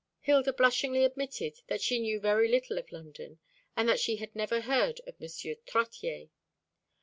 Hilda blushingly admitted that she knew very little of London, and that she had never heard of M. Trottier.